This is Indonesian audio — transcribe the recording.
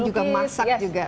dan juga masak juga